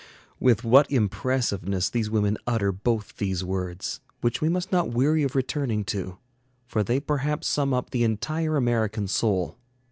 With what impressiveness these women utter both these words! which we must not weary of returning to; for they perhaps sum up the entire American soul.